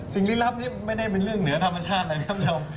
สิ่งรีลับนี่ไม่ได้เป็นเรื่องเหนือธรรมชาตินะครับชม